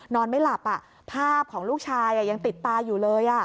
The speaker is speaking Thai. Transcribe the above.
นอนไม่หลับภาพของลูกชายยังติดตาอยู่เลย